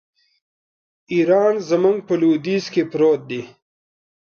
ایران زموږ په لوېدیځ کې پروت دی.